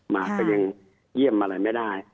มาก็ยังเยี่ยมอะไรไม่ได้